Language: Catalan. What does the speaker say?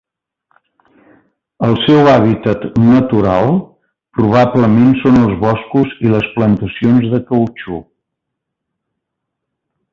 El seu hàbitat natural probablement són els boscos i les plantacions de cautxú.